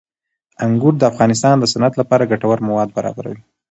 انګور د افغانستان د صنعت لپاره ګټور مواد برابروي.